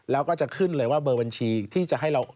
แล้วก็จะขึ้นเลยว่าเบอร์บัญชีที่จะให้เรา